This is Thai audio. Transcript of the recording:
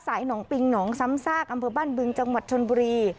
หนองปิงหนองซ้ำซากอำเภอบ้านบึงจังหวัดชนบุรี